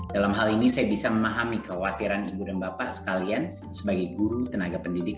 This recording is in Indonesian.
dalam hal ini saya bisa memahami kekhawatiran ibu dan bapak sekalian sebagai guru tenaga pendidik